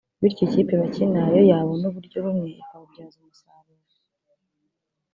bityo ikipe bakina yo yabona uburyo bumwe ikabubyaza umusaruro